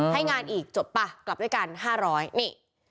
ให้งานอีกจบป่ะกลับด้วยกัน๕๐๐นี่